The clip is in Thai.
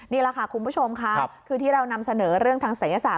นี่แหละค่ะคุณผู้ชมค่ะคือที่เรานำเสนอเรื่องทางศัยศาส